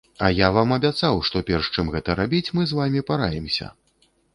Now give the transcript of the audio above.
А я вам абяцаў, што, перш чым гэта рабіць, мы з вамі параімся.